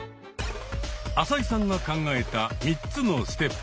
朝井さんが考えた３つのステップ。